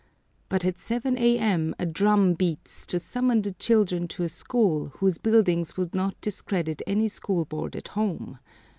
But at 7 a.m. a drum beats to summon the children to a school whose buildings would not discredit any school board at home.